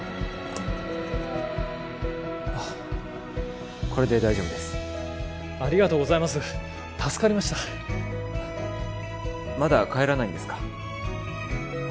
あっこれで大丈夫ですありがとうございます助かりましたまだ帰らないんですか？